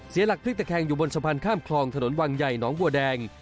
เสียหลักพลิกตะแคงอยู่บนสะพานข้ามคลองถนนวังใหญ่หนองบัวแดง